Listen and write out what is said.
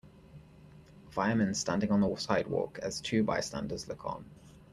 Firemen standing on the sidewalk as two bystanders look on.